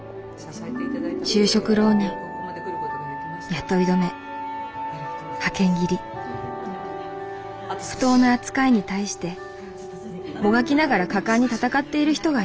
就職浪人雇い止め派遣切り不当な扱いに対してもがきながら果敢に戦っている人がいる。